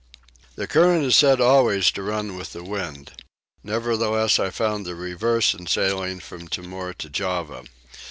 The current is said always to run with the wind. Nevertheless I found the reverse in sailing from Timor to Java.